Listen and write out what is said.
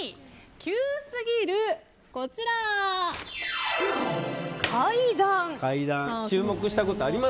急すぎる階段。